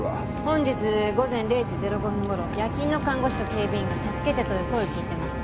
本日午前０時０５分ごろ夜勤の看護師と警備員が「助けて」という声を聞いてます。